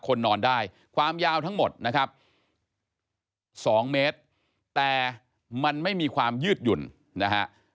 คนนอนได้ความยาวทั้งหมดนะครับ๒เมตรแต่มันไม่มีความยืดหยุ่นนะฮะ